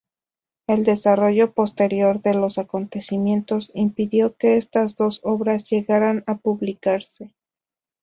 El desarrollo posterior de los acontecimientos impidió que estas dos obras llegaran a publicarse.